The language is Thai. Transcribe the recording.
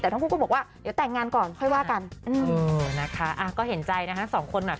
แต่ทั้งผู้ก็บอกว่าเดี๋ยวแต่งงานก่อนค่อยว่ากัน